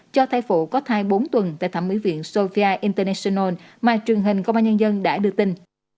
cho thai phụ có thai bốn tuần tại thẩm mỹ viện sofia international mà truyền hình công an nhân dân đã đưa tin